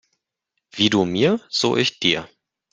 Wie du mir, so ich dir.